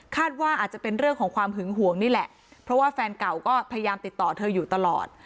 ว่าอาจจะเป็นเรื่องของความหึงห่วงนี่แหละเพราะว่าแฟนเก่าก็พยายามติดต่อเธออยู่ตลอด